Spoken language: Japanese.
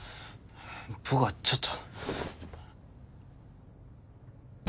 僕はちょっと。